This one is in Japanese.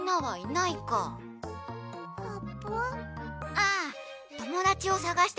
ああともだちをさがしてたの。